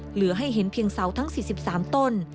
เหลือให้เห็นเพียงเสาทั้ง๔๓ต้น